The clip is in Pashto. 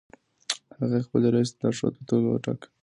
هغې خپل رییس د لارښود په توګه وټاکه.